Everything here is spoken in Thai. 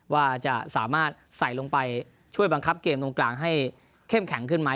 ว่าจะสามารถใส่ลงไปช่วยบังคับเกมตรงกลางให้เข้มแข็งขึ้นไหม